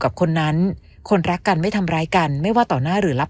กับคนนั้นคนรักกันไม่ทำร้ายกันไม่ว่าต่อหน้าหรือรับ